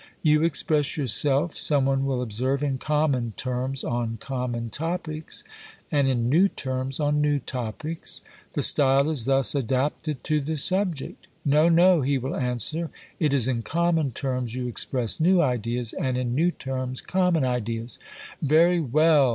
You express yourself, some one will observe, in common terms on common topics, and in new terms on new topics. The style is thus adapted to the subject. No, no, he will answer; it is in common terms you express new ideas, and in new terms common ideas. Very well!